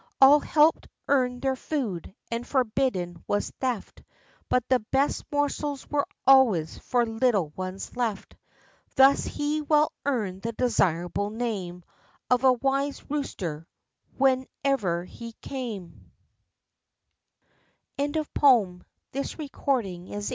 All helped earn their food, and forbidden was theft; But the best morsels were always for little ones left. Thus he well earned the desirable name Of a wise rooster, wherever he came.